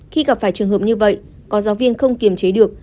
khi gặp phải trường hợp như vậy có giáo viên không kiềm chế được